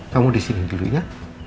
kamu di sini dulu ya